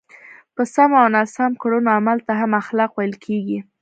په سمو او ناسم کړنو عمل ته هم اخلاق ویل کېږي.